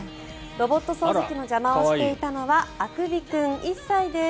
ロボット掃除機の邪魔をしていたのはあくび君、１歳です。